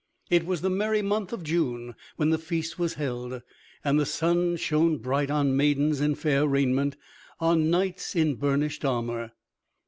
It was the merry month of June when the feast was held, and the sun shone bright on maidens in fair raiment, on knights in burnished armor.